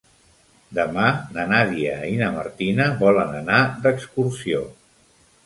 Demà na Nàdia i na Martina volen anar d'excursió.